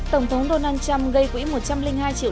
tổng thống donald trump gây quỹ một trăm linh hai triệu